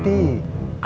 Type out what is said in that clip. adik atau adik